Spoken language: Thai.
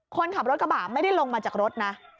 คนขับรถกระบะไม่ได้ลงมาจากรถนะ